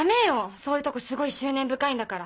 そういうとこすごい執念深いんだから。